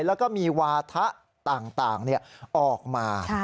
แล้วก็มีวาถะต่างออกมา